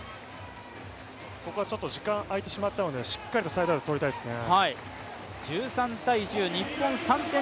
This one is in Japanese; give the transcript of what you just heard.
ここはちょっと時間空いてしまったのでしっかりとサイドアウトをとりたいですね。